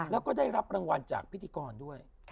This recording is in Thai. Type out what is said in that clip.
แล้วก็ได้รับรางวัลจากพิธีกรด้วย